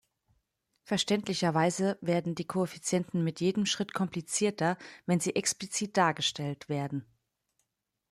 Verständlicherweise werden die Koeffizienten mit jedem Schritt komplizierter, wenn sie explizit dargestellt werden.